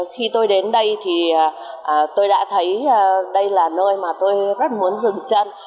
khi tôi đến đây thì tôi đã thấy đây là nơi mà tôi rất muốn dừng chân